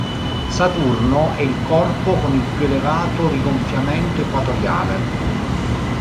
Saturno è il corpo con il più elevato rigonfiamento equatoriale.